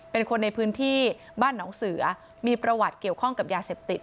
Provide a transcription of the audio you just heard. เป็นคนในพื้นที่บ้านหนองเสือมีประวัติเกี่ยวข้องกับยาเสพติด